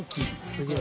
すげえ」